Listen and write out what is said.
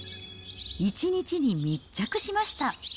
１日に密着しました。